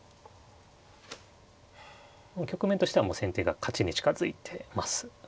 局面としてはもう先手が勝ちに近づいてます。